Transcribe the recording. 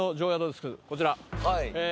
こちら！